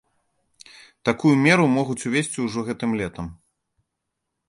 Такую меру могуць увесці ўжо гэтым летам.